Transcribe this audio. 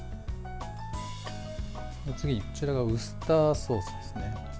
次、こちらがウスターソースですね。